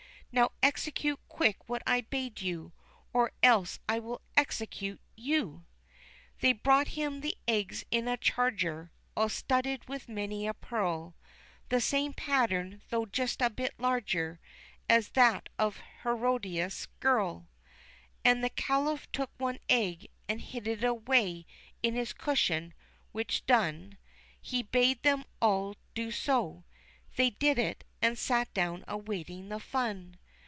Now execute quick what I bade you, or else I will execute you." They brought him the eggs in a charger, all studded with many a pearl, The same pattern though just a bit larger as that of Herodias' girl; And the Caliph took one egg, and hid it away in his cushion, which done, He bade them all do so. They did it; and sat down awaiting the fun.